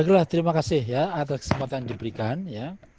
baiklah terima kasih ya atas kesempatan yang diberikan ya